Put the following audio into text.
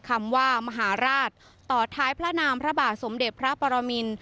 คำว่ามหาราชต่อท้ายพระนามพระบาทสมเด็จพระปรมิน